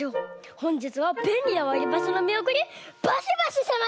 ほんじつはべんりなわりばしのみりょくにバシバシせまります！